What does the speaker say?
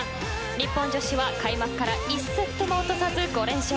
日本女子は開幕から１セットも落とさず５連勝。